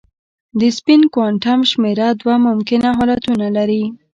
د سپین کوانټم شمېره دوه ممکنه حالتونه لري.